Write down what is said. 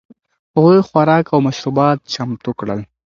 هغوی خوراک او مشروبات چمتو کړل.